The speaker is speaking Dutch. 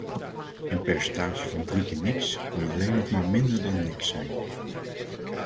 Een percentage van drie keer niks kan alleen maar nog minder dan niks zijn.